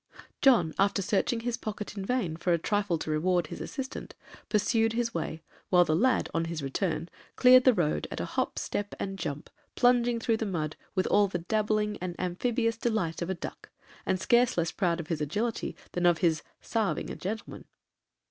John, after searching his pocket in vain for a trifle to reward his assistant, pursued his way, while the lad, on his return, cleared the road at a hop step and jump, plunging through the mud with all the dabbling and amphibious delight of a duck, and scarce less proud of his agility than of his 'sarving a gentleman.'